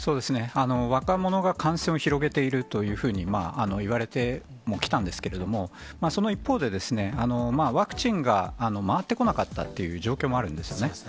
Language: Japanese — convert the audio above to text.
若者が感染を広げているというふうに言われてもきたんですけれども、その一方で、ワクチンが回ってこなかったっていう状況もあるんですよね。